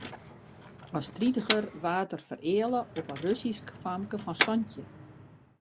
As tritiger waard er fereale op in Russysk famke fan santjin.